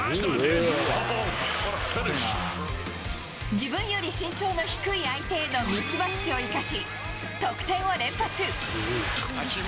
自分より身長の低い相手へのミスマッチを生かし、得点を連発。